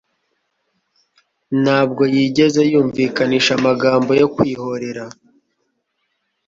ntabwo yigeze yumvikanisha amagambo yo kwihorera.